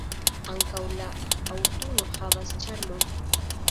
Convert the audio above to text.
Ankaŭ la aŭtuno havas ĉarmon.